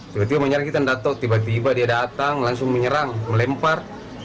tiba tiba menyerang kita tidak tahu tiba tiba dia datang langsung menyerang melempar